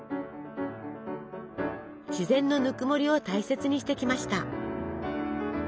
自然のぬくもりを大切にしてきました。